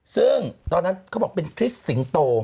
ซึ่งตอนนั้นเขาบอกเป็นคริสต์สิงโต